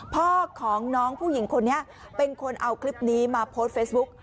พ่อของน้องผู้หญิงคนนี้เป็นคนเอาคลิปนี้มาโพสต์เฟซบุ๊ก